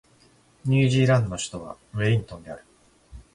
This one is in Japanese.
ニュージーランドの首都はウェリントンである